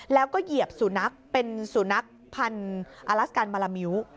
แล้วก็เหยียบสุนัขเป็นสุนัขพันธ์อลัสกันมาลามิ้ว